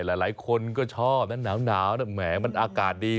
หลายคนก็ชอบนะหนาวแหมมันอากาศดี